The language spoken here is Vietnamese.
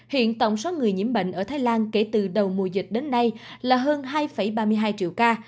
hiện tổng số người nhiễm bệnh ở thái lan kể từ đầu mùa dịch đến nay là hơn hai ba mươi hai triệu ca